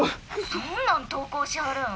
「そんなん投稿しはるん？